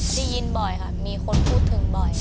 ได้ยินบ่อยค่ะมีคนพูดถึงบ่อย